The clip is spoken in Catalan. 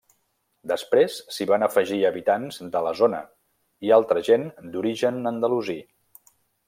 Després s'hi van afegir habitants de la zona i altra gent d'origen andalusí.